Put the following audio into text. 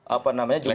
apa namanya jumlah